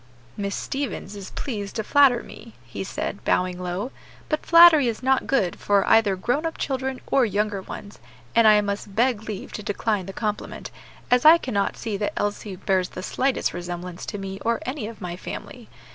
"Miss Stevens is pleased to flatter me," he said, bowing low; "but flattery is not good for either grown up children or younger ones, and I must beg leave to decline the compliment, as I cannot see that Elsie bears the slightest resemblance to me or any of my family.